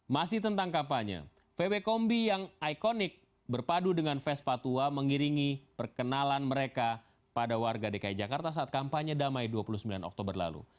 masih tentang kampanye vw kombi yang ikonik berpadu dengan vespa tua mengiringi perkenalan mereka pada warga dki jakarta saat kampanye damai dua puluh sembilan oktober lalu